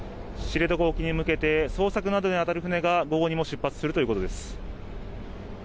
知床沖に向けて捜索などに当たる船が午後にも出発するということです。